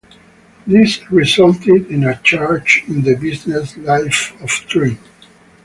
This resulted in a change in the business life of Trim.